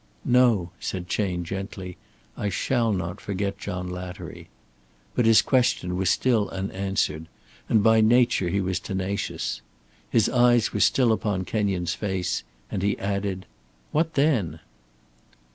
"No," said Chayne, gently, "I shall not forget John Lattery." But his question was still unanswered, and by nature he was tenacious. His eyes were still upon Kenyon's face and he added: "What then?"